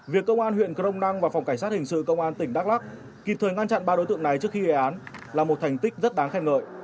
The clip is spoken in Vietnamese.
việc công an huyện crong năng và phòng cảnh sát hình sự công an tỉnh đắk lắc kịp thời ngăn chặn ba đối tượng này trước khi gây án là một thành tích rất đáng khen ngợi